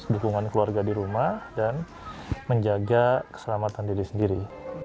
dukungan keluarga di rumah dan menjaga keselamatan diri sendiri